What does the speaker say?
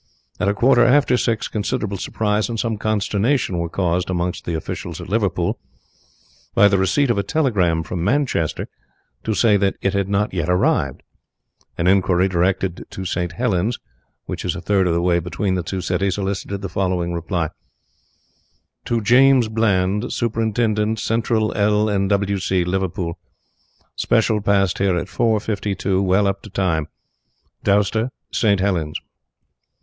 At a quarter after six considerable surprise and some consternation were caused amongst the officials at Liverpool by the receipt of a telegram from Manchester to say that it had not yet arrived. An inquiry directed to St. Helens, which is a third of the way between the two cities, elicited the following reply "To James Bland, Superintendent, Central L. & W. C., Liverpool. Special passed here at 4:52, well up to time. Dowster, St. Helens."